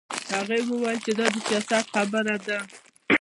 هغه وویل چې دا د سیاست خبره ده